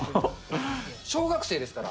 小学生ですから。